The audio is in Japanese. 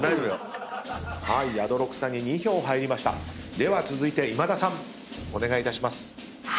では続いて今田さんお願いいたします。